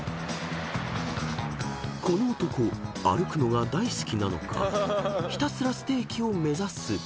［この男歩くのが大好きなのかひたすらステーキを目指す］